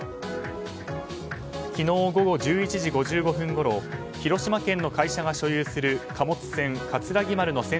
昨日午後１１時５５分ごろ広島県の会社が所有する貨物船